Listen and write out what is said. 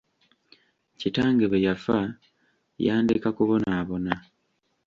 Kitange bwe yafa, yandeka kubonabona.